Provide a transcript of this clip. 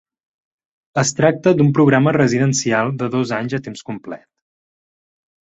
Es tracta d'un programa residencial de dos anys a temps complet.